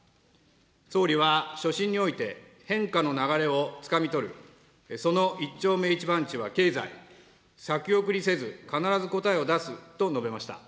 総理は所信において、変化の流れをつかみ取る、その一丁目一番地は経済、先送りせず、必ず答えを出すと述べました。